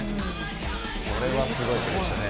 「これはすごいプレーでしたね」